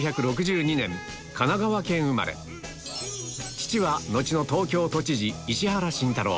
⁉父は後の東京都知事石原慎太郎